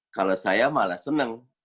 kalau saya malah senang